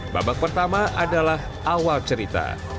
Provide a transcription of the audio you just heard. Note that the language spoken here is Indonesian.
babak pertama adalah awal cerita